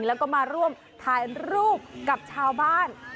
แล้วก็มาร่วมถ่ายรูปกับชาวบ้าน